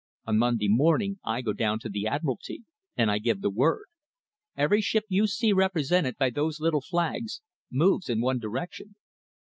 On Monday morning I go down to the Admiralty, and I give the word. Every ship you see represented by those little flags, moves in one direction."